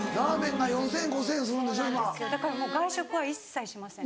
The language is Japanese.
だからもう外食は一切しません。